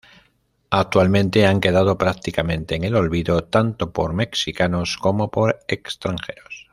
Actualmente han quedado prácticamente en el olvido tanto por mexicanos como por extranjeros.